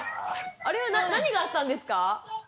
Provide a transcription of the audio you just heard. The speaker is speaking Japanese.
あれは何があったんですか？